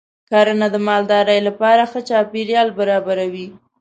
کرنه د مالدارۍ لپاره ښه چاپېریال برابروي.